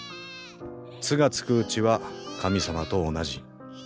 「つ」がつくうちは神様と同じ。